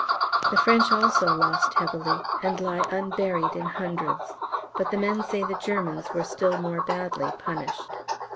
The French also lost heavily, and lie unburied in hundreds; but the men say the Germans were still more badly "punished."